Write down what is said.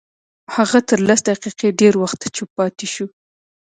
هغه تر لس دقيقې ډېر وخت چوپ پاتې شو.